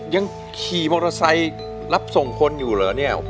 ๗๗ยังขี่มอเตอร์ไซต์รับส่งคนอยู่หรอ